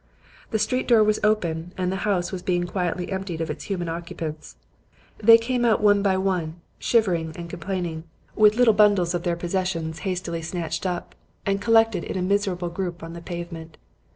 "The street door was open and the house was being quietly emptied of its human occupants. They came out one by one, shivering and complaining, with little bundles of their possessions hastily snatched up, and collected in a miserable group on the pavement.